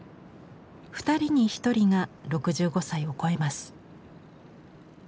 ２人に１人が６５歳を超えます。